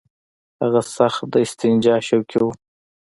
هغه سخت د استنجا شوقي وو.